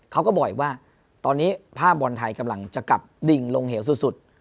เขาก็บอกอีกว่าตอนนี้ภาพบอลไทยกำลังจะกลับดิ่งลงเหวสุด